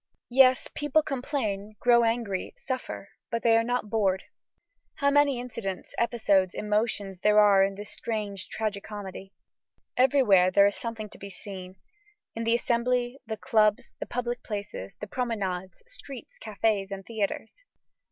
Yes, people complain, grow angry, suffer, but they are not bored. How many incidents, episodes, emotions, there are in this strange tragi comedy! Everywhere there is something to be seen; in the Assembly, the clubs, the public places, the promenades, streets, cafés, and theatres.